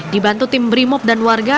dibantu tim brimob dan warga